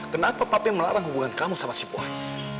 kenapa papi melarang hubungan kamu sama si boy